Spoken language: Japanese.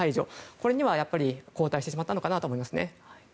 これには、後退してしまったのかなと思いますね。